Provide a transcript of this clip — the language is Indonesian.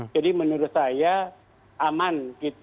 jadi menurut saya aman